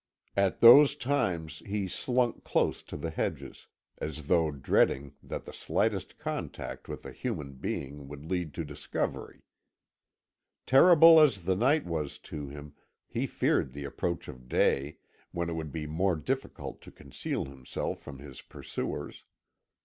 At those times he slunk close to the hedges, as though dreading that the slightest contact with a human being would lead to discovery. Terrible as the night was to him, he feared the approach of day, when it would be more difficult to conceal himself from his pursuers.